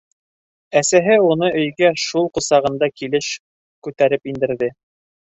Әсәһе уны өйгә шул ҡосағында килеш күтәреп индерҙе.